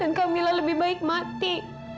dan kamila lebih baik mati